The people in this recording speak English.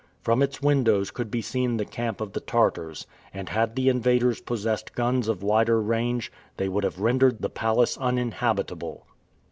From its windows could be seen the camp of the Tartars, and had the invaders possessed guns of wider range, they would have rendered the palace uninhabitable.